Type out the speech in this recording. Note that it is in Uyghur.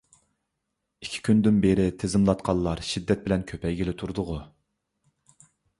ئىككى كۈندىن بېرى تىزىملاتقانلار شىددەت بىلەن كۆپەيگىلى تۇردىغۇ.